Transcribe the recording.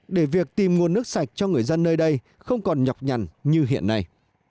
để việc tìm nguồn nước sạch cho người dân nơi đây không còn nhọc nhằn như hiện nay